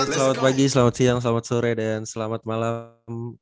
selamat pagi selamat siang selamat sore dan selamat malam